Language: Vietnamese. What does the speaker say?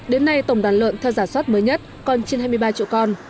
đến nay tổng đàn lợn theo giả soát mới nhất còn trên hai mươi ba triệu con